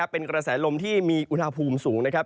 เป็นกระแสลมที่มีอุณหภูมิสูงนะครับ